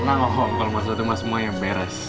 nah kalau masuk rumah semua yang beres